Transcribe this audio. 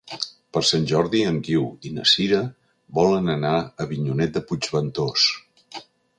Per Sant Jordi en Guiu i na Sira volen anar a Avinyonet de Puigventós.